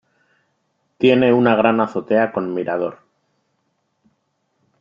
Tiene una gran azotea con mirador.